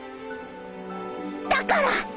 だから！